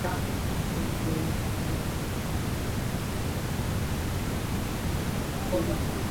শুল্ক গোয়েন্দা জানায়, আমদানিকারক এয়ারকন্ডিশনারের পার্টসের বদলে ধাতব প্লেট ঘোষণা দিয়েছিল।